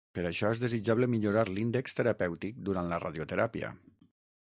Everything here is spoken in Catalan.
Per això, és desitjable millorar l'índex terapèutic durant la radioteràpia.